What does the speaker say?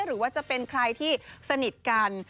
หรือว่าจะเป็นใครที่สนิทกัน